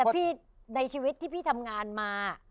พี่ในชีวิตที่พี่ทำงานมา